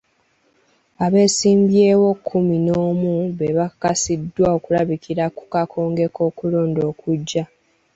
Abeesimbyewo kumi n'omu be bakakasiddwa okulabikira ku kakonge k'okulonda okujja.